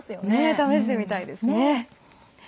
試してみたいですね。